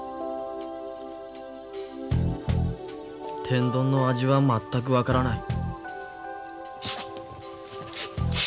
天丼の味は全く分からない